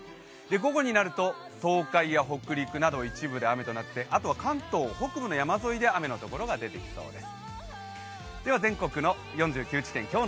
午後になると東海や北陸など一部で雨となってあとは関東北部の山沿いで雨のところが出てきそうです。